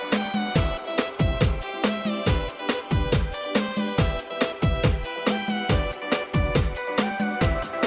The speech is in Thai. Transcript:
ใส่น้ำตาลไปหน่อยหนึ่งนะคะอ่าเริ่มลงอันนี้เราก็จะค่ะ